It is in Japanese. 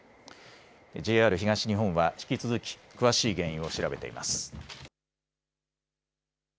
ＪＲ東日本は引き続き詳しい原因を調べています。